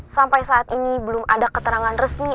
sampai saat ini belum ada keterangan resmi